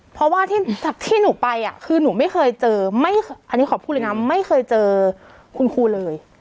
เพราะว่าที่หนูไปคือหนูไม่เคยเจออันนี้ขอพูดเลยนะไม่เคยเจอคุณครูเลย